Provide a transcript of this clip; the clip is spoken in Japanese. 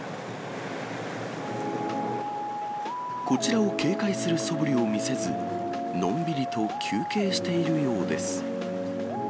こちらを警戒するそぶりを見せず、のんびりと休憩しているようです。